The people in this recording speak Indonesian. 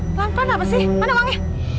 pelan pelan apa sih mana uangnya